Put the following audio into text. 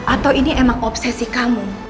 atau ini emang obsesi kamu